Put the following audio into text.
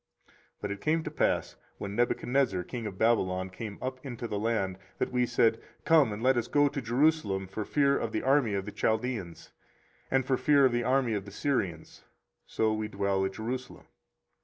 24:035:011 But it came to pass, when Nebuchadrezzar king of Babylon came up into the land, that we said, Come, and let us go to Jerusalem for fear of the army of the Chaldeans, and for fear of the army of the Syrians: so we dwell at Jerusalem.